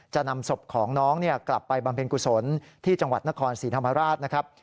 จะนำศพของน้องกลับไปบำเพ็ญกุศลที่จังหวัดนครศรีธรรมราชนะครับ